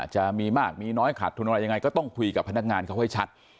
จะมีมากมีน้อยขาดทุนอะไรยังไงก็ต้องคุยกับพนักงานเขาให้ชัด